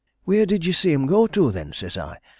'Where did you see 'em go to, then?' says I.